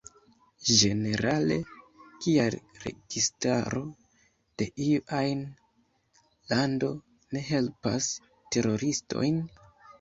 Ĝenerale, kial registaro de iu ajn lando ne helpas teroristojn?